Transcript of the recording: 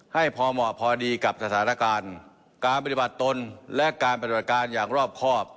ให้พอเหมาะพอดีกับสถานการณ์การปฏิบัติตนและการปฏิบัติการอย่างรอบครอบ